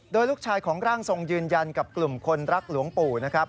โดยลูกชายของร่างทรงยืนยันกับกลุ่มคนรักหลวงปู่นะครับ